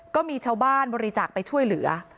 ก็มีชาวบ้านบริจาคไปช่วยเหลือ